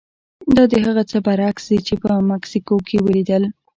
دا د هغه څه برعکس دي چې په مکسیکو کې ولیدل.